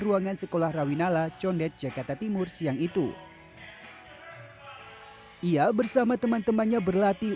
ruangan sekolah rawinala condet jakarta timur siang itu ia bersama teman temannya berlatih